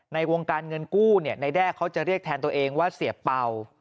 ในวงการเงินกู้ในแด้เขาจะเรียกแทนตัวเองว่าเสียเป่า